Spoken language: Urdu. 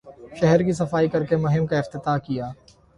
شہر کی صفائی کر کے مہم کا افتتاح کیا